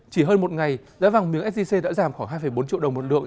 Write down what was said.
chỉ hơn một ngày giá vàng miếng sgc đã giảm khoảng hai bốn triệu đồng một lượng